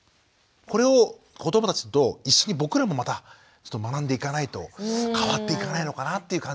これを子どもたちと一緒に僕らもまた学んでいかないと変わっていかないのかなっていう感じはしましたね。